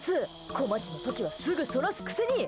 こまちの時はすぐそらすくせに！